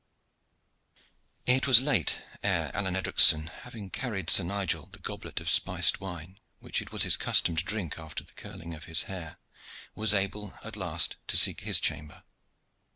It was late ere Alleyne Edricson, having carried Sir Nigel the goblet of spiced wine which it was his custom to drink after the curling of his hair, was able at last to seek his chamber.